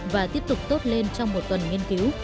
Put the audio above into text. và tiếp tục tốt lên trong một tuần nghiên cứu